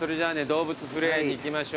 動物触れ合いに行きましょうよ。